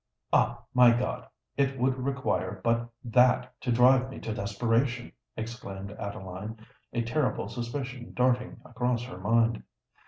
"Ah! my God—it would require but that to drive me to desperation!" exclaimed Adeline, a terrible suspicion darting across her mind.